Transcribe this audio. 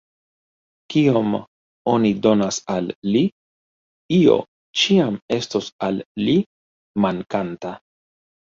Kiom oni donas al li, io ĉiam estos al li “mankanta”.